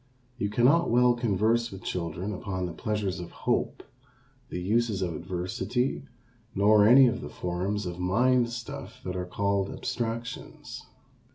You cannot well converse with children upon the pleasures of hope, the uses of adversity, nor any of the forms of mind stuff that are called abstractions.